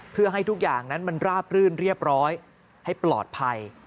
เพื่อให้ทุกอย่างนั้นมันราบรื่นเรียบร้อยให้ปลอดภัย